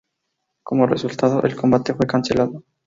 Como resultado, el combate fue cancelado.